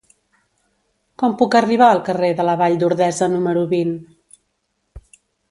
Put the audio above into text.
Com puc arribar al carrer de la Vall d'Ordesa número vint?